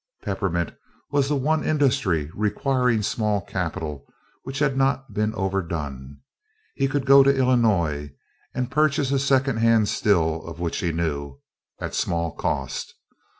Peppermint was the one industry requiring small capital which had not been overdone. He could go to Illinois and purchase a secondhand still of which he knew, at small cost.